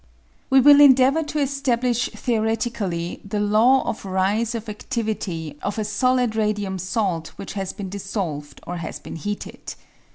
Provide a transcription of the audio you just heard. We will endeavour to establish theoretically the law of rise of adtivity of a solid radium salt which has been dis solved or has been heated.